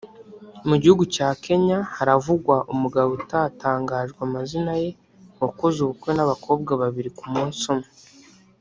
Mu gihugu cya Kenya haravugwa umugabo utatangajwe amazina ye wakoze ubukwe n’ abakobwa babiri ku munsi umwe